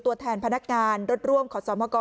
ตัวแทนพนักงานรถร่วมขอสมก